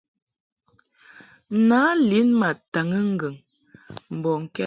Nǎ lin ma taŋɨ ŋgɨŋ mbɔŋkɛd.